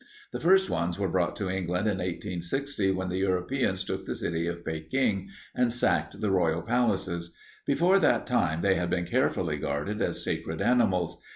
The first ones were brought to England in 1860 when the Europeans took the city of Peking and sacked the royal palaces. Before that time they had been carefully guarded as sacred animals.